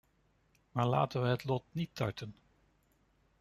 Maar laten we het lot niet tarten.